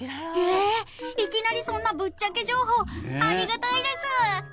えっいきなりそんなぶっちゃけ情報ありがたいです！